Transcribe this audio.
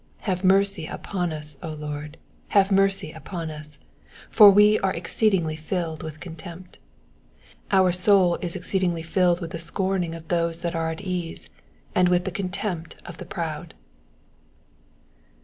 3 Have mercy upon us, O Lord, have mercy upon us : for we are exceedingly filled with contempt. 4 Our soul is exceedingly filled with the scorning of those that are at ease, and with the contempt of the proud.